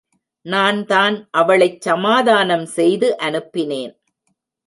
நான்தான் அவளைச் சமாதானம் செய்து அனுப்பினேன்.